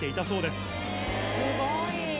すごい。